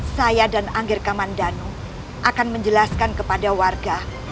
saya dan anggir kamandano akan menjelaskan kepada warga